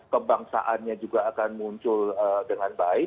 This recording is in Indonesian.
kebangsaannya juga akan muncul dengan baik